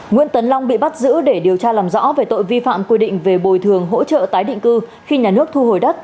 nguyễn tấn long bị bắt giữ để điều tra làm rõ về tội vi phạm quy định về bồi thường hỗ trợ tái định cư khi nhà nước thu hồi đất